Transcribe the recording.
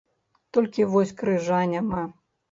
Толькі вось крыжа няма.